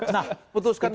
nah putuskan begitu